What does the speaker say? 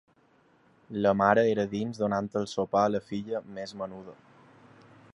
La mare era dins donant el sopar a la filla més menuda.